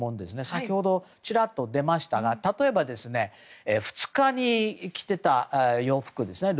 先ほどちらっと出ましたが例えば２日に着てた洋服ですね。